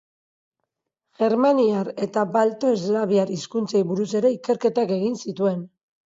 Germaniar eta balto-eslaviar hizkuntzei buruz ere ikerketak egin zituen.